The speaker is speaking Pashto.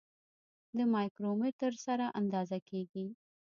د مایکرومتر سره اندازه کیږي.